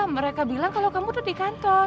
mereka bilang kalau kamu tuh di kantor